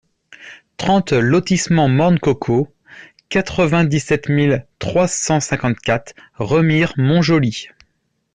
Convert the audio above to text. trente lotissement Morne Coco, quatre-vingt-dix-sept mille trois cent cinquante-quatre Remire-Montjoly